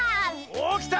おっきた！